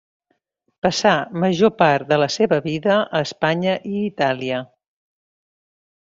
Passà major part de la seva vida a Espanya i Itàlia.